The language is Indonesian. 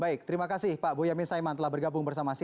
baik terima kasih pak boyamin saiman telah bergabung bersama saya